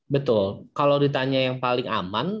betul kalau ditanya yang paling aman